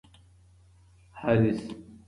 حارث